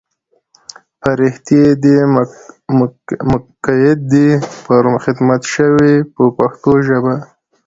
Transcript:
فرښتې دې مقیدې پر خدمت شوې په پښتو ژبه.